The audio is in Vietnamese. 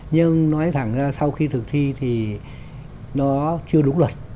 nhưng nói thẳng ra sau khi thực thi thì nó chưa đúng luật